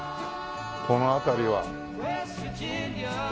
この辺りは。